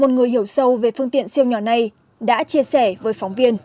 một người hiểu sâu về phương tiện siêu nhỏ này đã chia sẻ với phóng viên